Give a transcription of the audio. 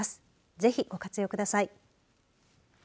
ぜひ、ご活用ください。